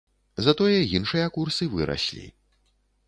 Затое іншыя курсы выраслі.